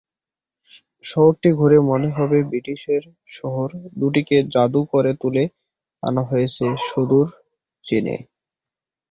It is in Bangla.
শহরটি ঘুরে মনে হবে ব্রিটেনের শহর দুটিকে জাদু করে তুলে আনা হয়েছে সুদূর চীনে।